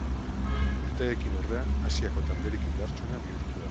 Urteekin ordea Asiako talderik indartsuena bihurtu da.